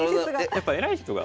やっぱ偉い人が。